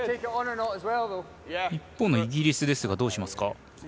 一方のイギリスですがどうしますか。